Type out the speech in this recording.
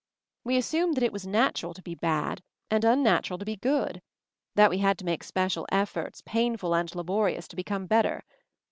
We assumed that it was 'natural' to be 'bad' and 'unnatural' to be 'good' — that we had to make special efforts, painful and laborious, to become better.